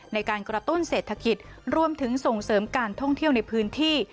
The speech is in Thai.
ในการกระตุ้นเศรษฐกิจรวมถึงส่งเสริมการท่องเที่ยวในพื้นที่